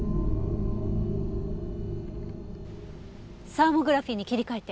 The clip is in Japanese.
サーモグラフィーに切り替えて。